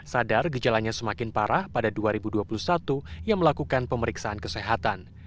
sadar gejalanya semakin parah pada dua ribu dua puluh satu ia melakukan pemeriksaan kesehatan